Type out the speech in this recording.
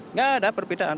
tidak ada perbedaan